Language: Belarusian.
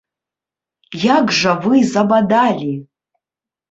Як жа вы забадалі!